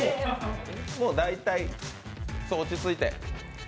大体落ち着いて。